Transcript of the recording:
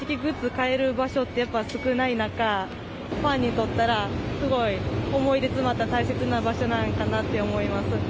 買える場所って、やっぱ少ない中、ファンにとったら、すごい思い出詰まった大切な場所なのかなって思います。